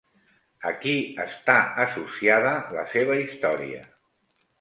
A qui està associada la seva història?